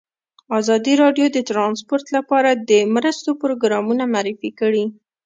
ازادي راډیو د ترانسپورټ لپاره د مرستو پروګرامونه معرفي کړي.